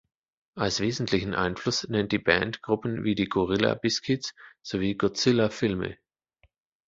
Als wesentlichen Einfluss nennt die Band Gruppen wie die Gorilla Biscuits sowie Godzilla-Filme.